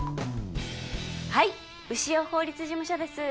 はい潮法律事務所です